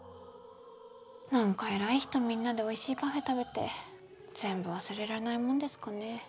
なんか偉い人みんなでおいしいパフェ食べて全部忘れられないもんですかねえ。